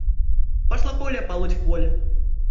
Пошла Поля полоть в поле.